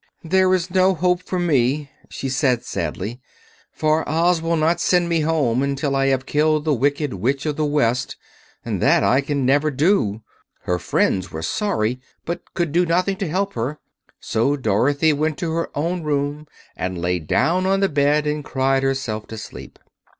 "There is no hope for me," she said sadly, "for Oz will not send me home until I have killed the Wicked Witch of the West; and that I can never do." Her friends were sorry, but could do nothing to help her; so Dorothy went to her own room and lay down on the bed and cried herself to sleep.